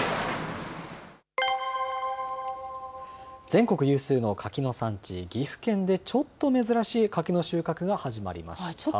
全国有数の柿の産地、岐阜県でちょっと珍しい柿の収穫が始まりました。